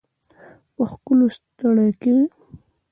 په ښکلونو ستړي کړي